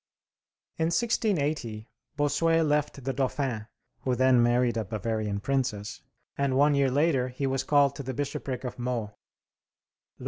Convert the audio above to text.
In 1680 Bossuet left the Dauphin, who then married a Bavarian princess, and one year later he was called to the bishopric of Meaux.